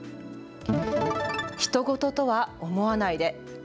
ひと事とは思わないで。